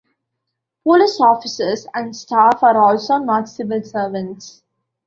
Police officers and staff are also not civil servants.